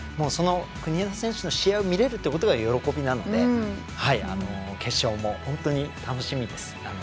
国枝選手の試合を見られるっていうことが喜びなので本当に楽しみです。